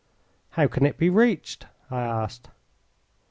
"How can it be reached?" I asked.